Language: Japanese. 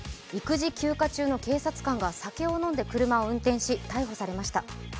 育児休暇中の警察官が酒を飲んで車を運転し、逮捕されました。